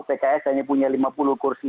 pks hanya punya lima puluh kursi